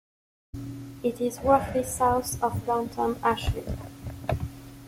It is roughly south of downtown Asheville.